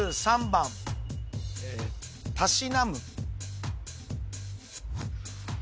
２３番たしなむ